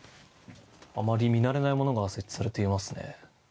あまり見慣れないものが設置されていますね。